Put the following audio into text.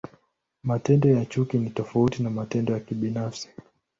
Matendo ya chuki ni tofauti na matendo ya kibinafsi.